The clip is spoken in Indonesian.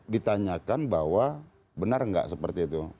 ditanyakan bahwa benar nggak seperti itu